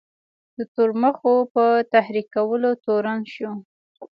د تورمخو په تحریکولو تورن شو.